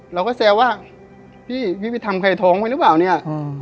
เราก็แซวว่าพี่พี่ไปทำไข่ทองไปหรือเปล่าเนี้ยอืม